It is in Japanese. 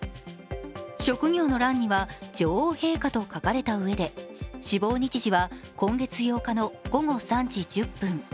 職業の欄には女王陛下と書かれたうえで、死亡日時は今月８日の午後３時１０分。